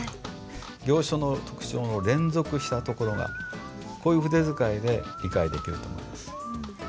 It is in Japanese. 行書の特徴の連続したところがこういう筆使いで理解できると思います。